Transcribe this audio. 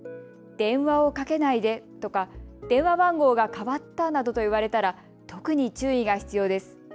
電話をかけないでとか、電話番号が変わったなどと言われたら特に注意が必要です。